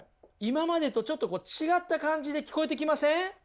今までとちょっと違った感じで聞こえてきません？